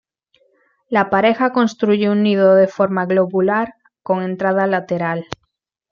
La pareja construye un nido de forma globular con entrada lateral.